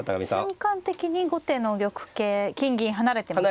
瞬間的に後手の玉形金銀離れてますからね。